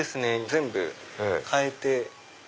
全部変えて。